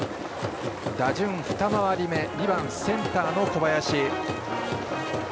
打順二回り目、２番センター小林。